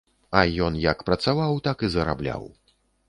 А ён як працаваў, так і зарабляў.